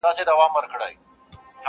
غلیم کور په کور حلوا وېشل پښتونه,